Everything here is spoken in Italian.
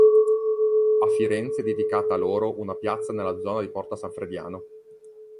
A Firenze è dedicata a loro una piazza nella zona di Porta San Frediano.